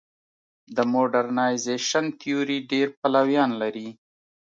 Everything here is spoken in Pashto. د موډرنیزېشن تیوري ډېر پلویان لري.